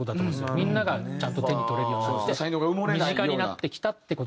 みんながちゃんと手に取れるようになって身近になってきたっていう事だと思うんですよね。